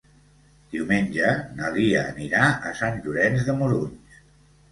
Diumenge na Lia anirà a Sant Llorenç de Morunys.